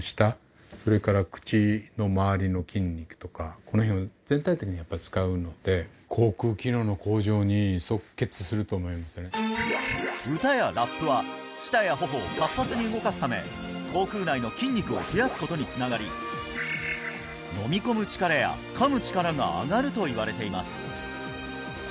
もうこれはとかこの辺を全体的にやっぱり使うので歌やラップは舌や頬を活発に動かすため口腔内の筋肉を増やすことにつながり飲み込む力や噛む力が上がるといわれています